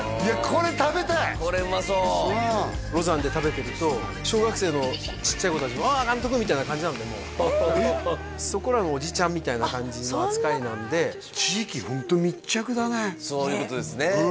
これ食べたいこれうまそう盧山で食べてると小学生のちっちゃい子達も「わ監督！」みたいな感じなのでもうそこらのおじちゃんみたいな感じの扱いなんでそういうことですね